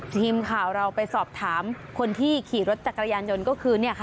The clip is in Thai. ทีมข่าวเราไปสอบถามคนที่ขี่รถจักรยานยนต์ก็คือ